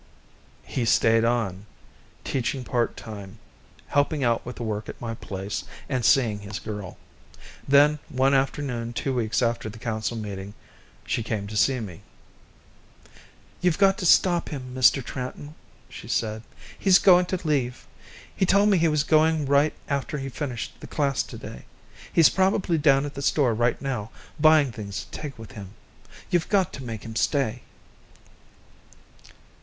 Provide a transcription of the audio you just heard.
He stayed on, teaching part time, helping out with the work at my place, and seeing his girl. Then, one afternoon two weeks after the council meeting, she came to see me. "You've got to stop him, Mr. Tranton," she said. "He's going to leave. He told me he was going right after he finished the class today. He's probably down at the store right now, buying things to take with him. You've got to make him stay."